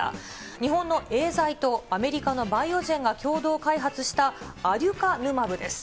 日本のエーザイと、アメリカのバイオジェンが共同開発したアデュカヌマブです。